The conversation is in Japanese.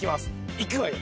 いくわよ。